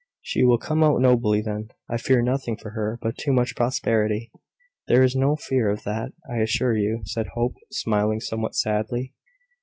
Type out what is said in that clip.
"She will come out nobly then. I fear nothing for her but too much prosperity." "There is no fear of that, I assure you," said Hope, smiling somewhat sadly.